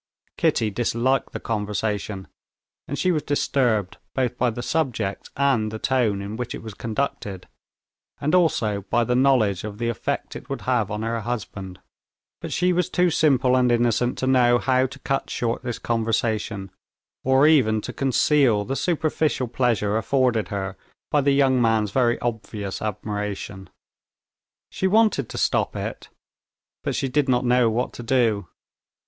Kitty disliked the conversation, and she was disturbed both by the subject and the tone in which it was conducted, and also by the knowledge of the effect it would have on her husband. But she was too simple and innocent to know how to cut short this conversation, or even to conceal the superficial pleasure afforded her by the young man's very obvious admiration. She wanted to stop it, but she did not know what to do.